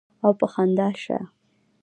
او پۀ خندا شۀ ـ